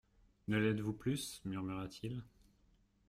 Ne l'êtes-vous plus ? murmura-t-il.